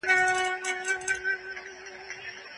دیني پوهنې هم پراخو څېړنو ته اړتیا لري.